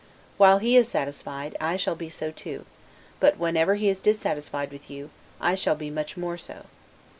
While he is satisfied, I shall be so too; but whenever he is dissatisfied with you, I shall be much more so.